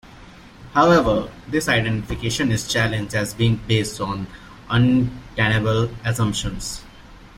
However, this identification is challenged as being based on untenable assumptions.